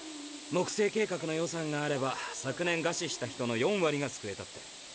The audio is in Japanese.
木星計画の予算があれば昨年餓死した人の４割が救えたって。